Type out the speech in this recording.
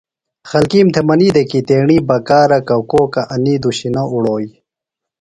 خلکِیم تھےۡ منی دےۡ کی تیݨی بکارہ ککوکہ انیۡ دُشیۡ نہ اُڑوئی۔